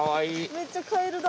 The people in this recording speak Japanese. めっちゃカエルだ。